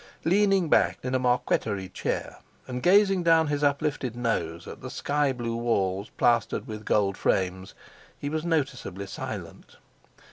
Leaning back in a marqueterie chair and gazing down his uplifted nose at the sky blue walls plastered with gold frames, he was noticeably silent.